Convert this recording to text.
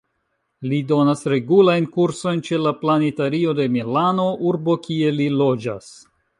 Li donas regulajn kursojn ĉe la Planetario de Milano, urbo kie li loĝas.